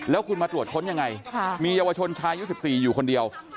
แล้วคุณมาตรวจค้นยังไงมีเยาวชนชายอายุ๑๔อยู่คนเดียว